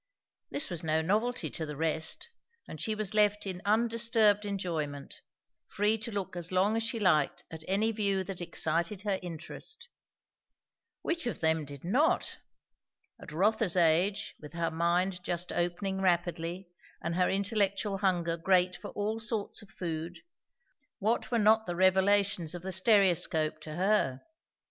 This was no novelty to the rest, and she was left in undisturbed enjoyment; free to look as long as she liked at any view that excited her interest. Which of them did not! At Rotha's age, with her mind just opening rapidly and her intellectual hunger great for all sorts of food, what were not the revelations of the stereoscope to her!